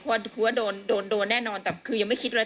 คือว่าโดนโดนโดนแน่นอนแต่คือยังไม่คิดอะไร